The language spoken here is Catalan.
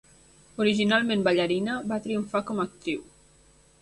Originalment ballarina, va triomfar com a actriu.